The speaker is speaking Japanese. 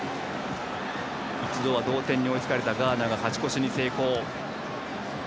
一度は同点に追いつかれたガーナが勝ち越しに成功。